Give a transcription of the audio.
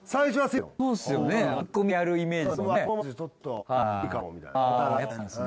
ツッコミがやるイメージですもんね。